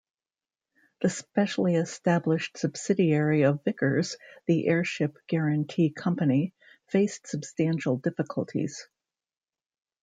The specially established subsidiary of Vickers, the Airship Guarantee Company, faced substantial difficulties.